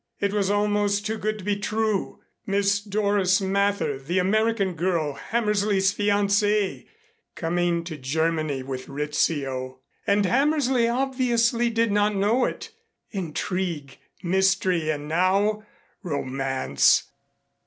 It was almost too good to be true. Miss Doris Mather, the American girl, Hammersley's fiancée, coming to Germany with Rizzio. And Hammersley obviously did not know it. Intrigue, mystery and now romance.